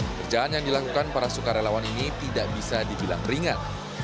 kerjaan yang dilakukan para sukarelawan ini tidak bisa dibilang ringan